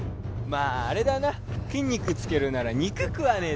まああれだな筋肉つけるなら肉食わね